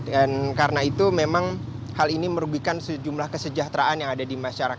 dan karena itu memang hal ini merugikan sejumlah kesejahteraan yang ada di masyarakat